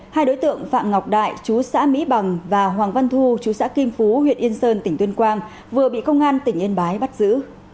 hai đối tượng phạm ngọc đại chú xã mỹ bằng và hoàng văn thu chú xã kim phú huyện yên sơn tỉnh tuyên quang vừa bị công an tỉnh yên bái bắt giữ